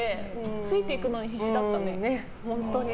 ついていくのに必死だったね。